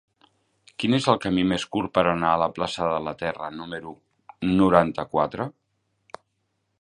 Quin és el camí més curt per anar a la plaça de la Terra número noranta-quatre?